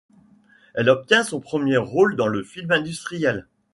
Elle obtient son premier rôle dans un film industriel.